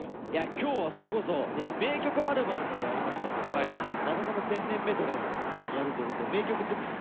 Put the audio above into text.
今日はそれこそ「名曲アルバム」もやりましたけどまさかの「千年メドレー」もやるということで名曲尽くしっすね。